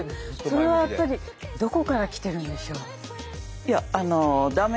それはやっぱりどこからきてるんでしょう？